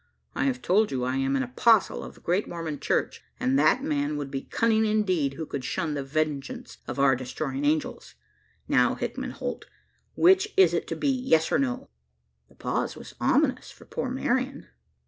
I have told you I am an Apostle of the great Mormon Church; and that man would be cunning indeed who could shun the vengeance of our Destroying Angels. Now, Hickman Holt, which is it to be? yes or no?" The pause was ominous for poor Marian.